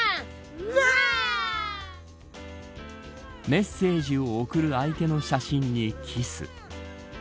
メッセージを送る相手の写真にキス。